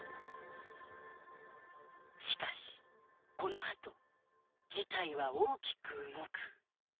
しかしこのあと事態は大きく動く。